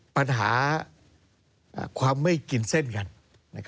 ปัญหาความไม่กินเส้นกัน